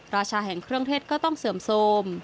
ราชาแห่งเครื่องเทศก็ต้องเสื่อมโทรม